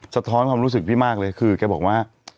สะท้อนความรู้สึกพี่มากเลยคือแกบอกว่า